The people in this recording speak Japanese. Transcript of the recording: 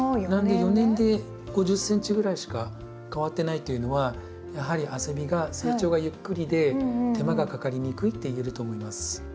４年で５０ｃｍぐらいしか変わってないというのはやはりアセビが成長がゆっくりで手間がかかりにくいっていえると思います。